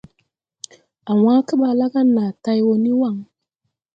A wãã keɓaa la ga na tay wo ni waŋ.